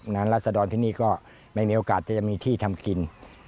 นั้นลักษณะดอนที่นี่ก็ไม่มีโอกาสจะมีที่ทำกิน